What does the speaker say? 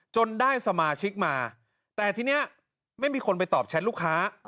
ได้สมาชิกมาแต่ทีนี้ไม่มีคนไปตอบแชทลูกค้า